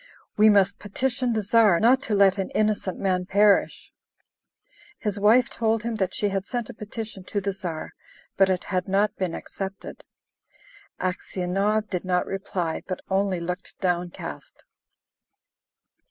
"We must petition the Czar not to let an innocent man perish." His wife told him that she had sent a petition to the Czar, but it had not been accepted. Aksionov did not reply, but only looked downcast.